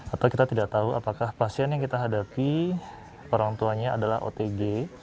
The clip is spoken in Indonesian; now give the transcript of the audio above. atau kita tidak tahu apakah pasien yang kita hadapi orang tuanya adalah otg